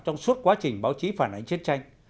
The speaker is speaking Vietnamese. trong suốt quá trình báo chí phản ánh chiến tranh